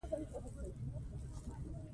افغانستان کې د چرګان په اړه زده کړه کېږي.